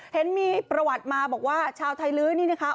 เห็นมีประวัติมาบอกว่าชาวไทยลื้อนี่นะคะ